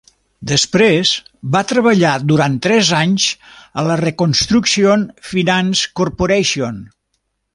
Després va treballar durant tres anys a la Reconstruction Finance Corporation.